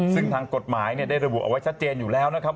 ซึ่งทางกฎหมายได้ระบุเอาไว้ชัดเจนอยู่แล้วนะครับ